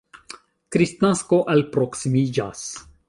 Kristnasko alproksimiĝas.